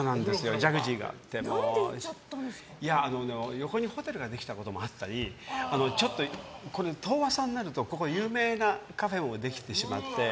横にホテルができたこともあったりちょっと遠浅になると有名なカフェもできてしまって。